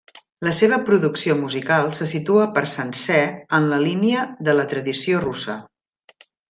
La seva producció musical se situa per sencer en la línia de la tradició russa.